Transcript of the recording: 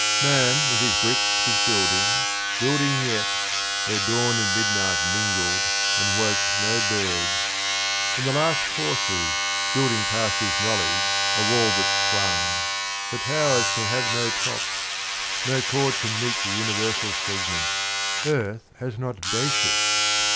Man with his bricks was building, building yet, Where dawn and midnight mingled and woke no birds, 58 In the last courses, building past his knowledge A wall that swung — for towers can have no tops, No chord can mete the universal segment, Earth has no basis.